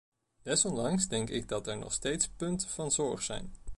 Desondanks denk ik dat er nog steeds punten van zorg zijn.